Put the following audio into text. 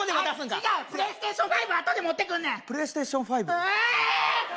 違うプレイステーション５あとで持ってくるプレイステーション５？ああーっ！